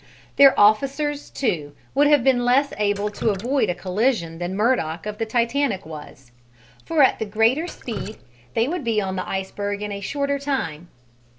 Their officers, too, would have been less able to avoid a collision than Murdock of the Titanic was, for at the greater speed, they would be on the iceberg in shorter time.